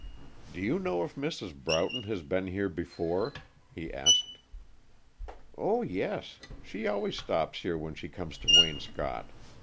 "Do you know if Mrs. Broughton has been here before?" he asked. "Oh, yes. She always stops here when she comes to Waynscott.